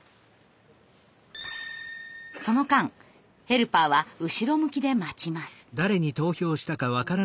その間ヘルパーは後ろ向きで待ちます。